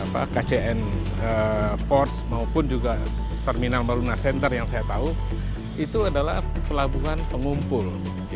kcn ports maupun juga terminal baruna center yang saya tahu itu adalah pelabuhan pengumpul